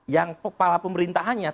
yang kepala pemerintahannya